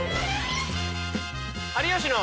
「有吉の」。